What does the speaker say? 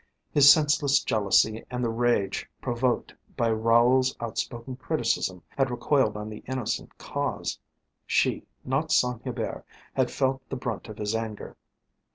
His senseless jealousy and the rage provoked by Raoul's outspoken criticism had recoiled on the innocent cause. She, not Saint Hubert, had felt the brunt of his anger.